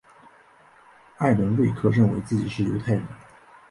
艾伦瑞克认为自己是犹太人。